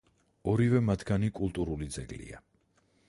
ორივე მათგანი კულტურული ძეგლია.